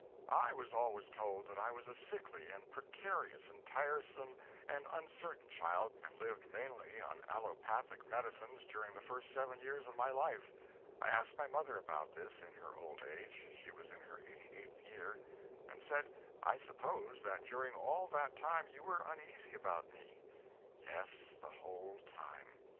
I was always told that I was a sickly and precarious and tiresome and uncertain child, and lived mainly on allopathic medicines during the first seven years of my life. I asked my mother about this, in her old age she was in her 88th year and said: "I suppose that during all that time you were uneasy about me?" "Yes, the whole time."